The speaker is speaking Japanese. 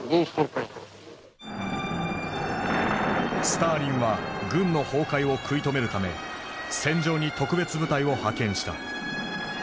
スターリンは軍の崩壊を食い止めるため戦場に特別部隊を派遣した。